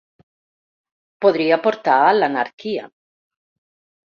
Podria portar a l’anarquia.